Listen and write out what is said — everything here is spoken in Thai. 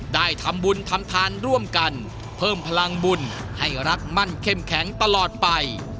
ได้ทำบุญทำทานร่วมกันเพิ่มพลังบุญให้รักมั่นเข้มแข็งตลอดไป